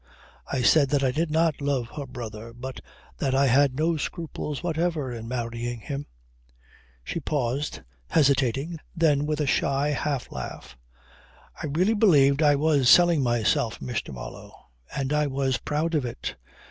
I said that I did not love her brother but that I had no scruples whatever in marrying him." She paused, hesitating, then with a shy half laugh: "I really believed I was selling myself, Mr. Marlow. And I was proud of it.